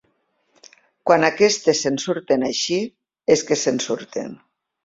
Quan aquestes se'n surten així és que se'n surten.